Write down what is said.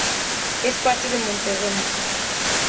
Es parte de Montgomery.